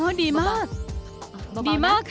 โอ้ดีมาก